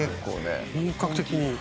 本格的に。